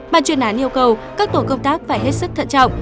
bàn chuyên án yêu cầu các tổ công tác phải hết sức thận trọng